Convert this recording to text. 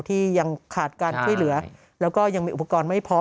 ที่ยังขาดการช่วยเหลือแล้วก็ยังมีอุปกรณ์ไม่พร้อม